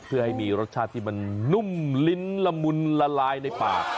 เพื่อให้มีรสชาติที่มันนุ่มลิ้นละมุนละลายในปาก